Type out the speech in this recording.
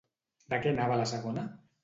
De què anava la segona?